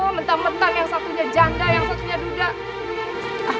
oh mentang mentang yang satunya janda yang satunya duda